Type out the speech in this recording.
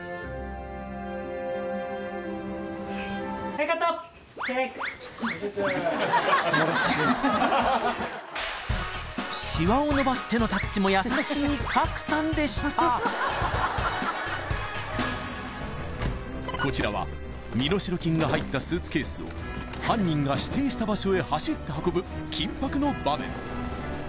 ここからが・チェックシワを伸ばす手のタッチも優しい賀来さんでしたこちらは身代金が入ったスーツケースを犯人が指定した場所へ走って運ぶ緊迫の場面